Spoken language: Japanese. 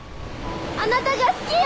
あなたが好きよ！